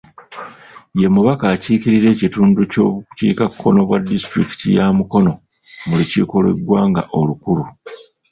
Ye mubaka akiikirira ekitundu ky'obukiikakkono bwa disitulikiti ya Mukono mu lukiiko lw'eggwanga olukulu